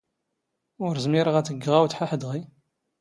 ⵓⵔ ⵣⵎⵉⵔⵖ ⴰⴷ ⴳⴳⵖ ⴰⵡⴷ ⵃⴰⵃ ⴷⵖⵉ.